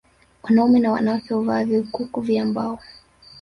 Wanaume na wanawake huvaa vikuku vya mbao